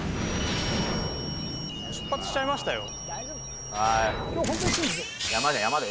出発しちゃいましたよ。